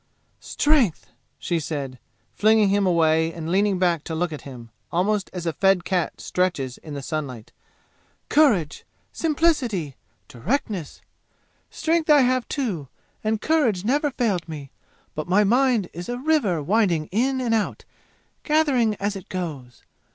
"Strength!" she said, flinging him away and leaning back to look at him, almost as a fed cat stretches in the sunlight. "Courage! Simplicity! Directness! Strength I have, too, and courage never failed me, but my mind is a river winding in and out, gathering as it goes.